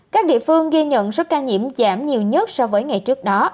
các địa phương ghi nhận số ca nhiễm giảm nhiều nhất so với ngày trước đó